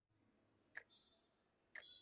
কিন্তু কেন তাড়া করেছিস সেটা বল আমাকে?